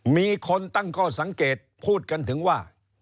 มีคนตั้งข้อสังเกตพูดกันถึงว่า